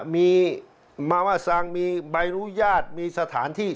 มีมาว่าซังมีใบอนุญาตมีสถานที่